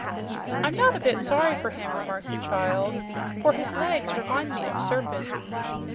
"I'm not a bit sorry for him," remarked the child, "for his legs remind me of serpents."